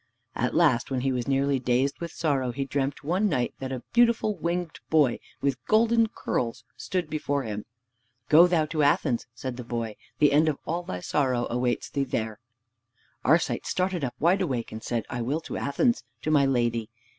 At last, when he was nearly dazed with sorrow, he dreamt one night that a beautiful winged boy with golden curls stood before him. "Go thou to Athens," said the boy; "the end of all thy sorrow awaits thee there!" Arcite started up wide awake and said, "I will to Athens, to my lady.